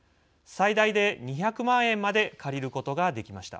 最大で２００万円まで借りることができました。